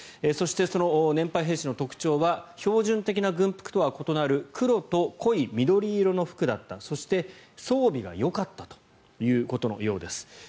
そして、その年配兵士の特徴は標準的な軍服とは異なる黒と濃い緑色の服だったそして、装備がよかったということのようです。